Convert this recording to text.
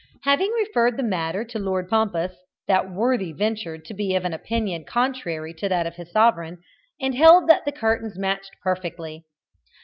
Having referred the matter to Lord Pompous, that worthy ventured to be of an opinion contrary to that of his sovereign, and held that the curtains matched perfectly.